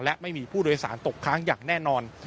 และไม่มีผู้โดยสารตกค้างอย่างแน่นอน